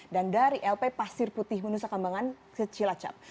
dan dari lp pasir putih menusa kambangan ke cilacap